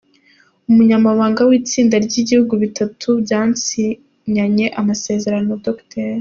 Umunyamabanga w’itsinda ry’ibihugu bitatu byasinyanye amasezerano, Dr.